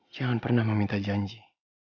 jangan pernah meminta janji